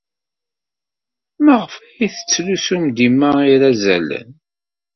Maɣef ay tettlusum dima irazalen?